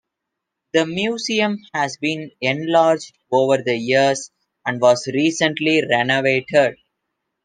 The museum has been enlarged over the years and was recently renovated.